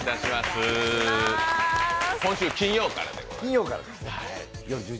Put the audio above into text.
今週金曜からでございます。